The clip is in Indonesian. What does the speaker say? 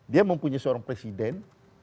dia mempunyai seorang presiden